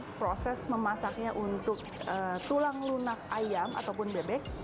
nah di beberapa rumah makan ini catalunya juga bersusun untuk alat presto iliknya dan jepang